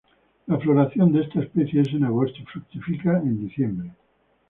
La floración de esta especie es en agosto y fructifica en en diciembre.